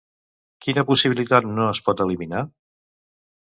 Quina possibilitat no es pot eliminar?